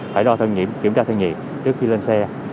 phải đo thân nhiệt kiểm tra thân nhiệt trước khi lên xe